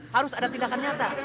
harus ada tindakan nyata